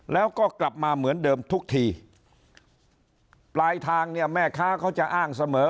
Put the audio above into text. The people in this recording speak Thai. แล้วก็กลับมาเหมือนเดิมทุกทีปลายทางเนี่ยแม่ค้าเขาจะอ้างเสมอ